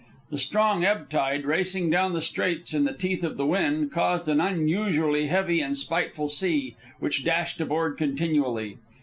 The strong ebb tide, racing down the Straits in the teeth of the wind, caused an unusually heavy and spiteful sea, which dashed aboard continually.